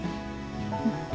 うん。